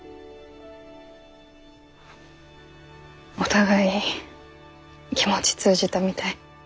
お互い気持ち通じたみたい。